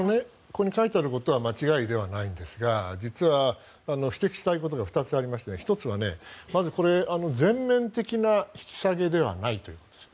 ここに書いてあることは間違いではないんですが実は指摘したいことが２つありまして１つはまず全面的な引き下げではないということです。